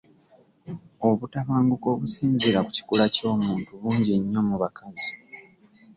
Obutabanguko obusinziira ku kikula ky'omuntu bungi nnyo mu bakazi.